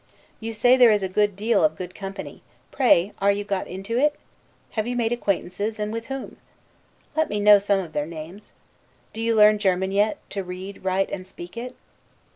You say there is a good deal of good company; pray, are you got into it? Have you made acquaintances, and with whom? Let me know some of their names. Do you learn German yet, to read, write, and speak it?